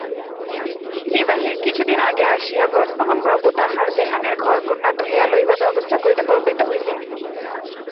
বিবাহের কিছুদিন আগে আসিয়া ব্রজমোহনবাবু তাঁহার বেহানের ঘরকন্না তুলিয়া লইবার ব্যবস্থা করিতে প্রবৃত্ত হইলেন।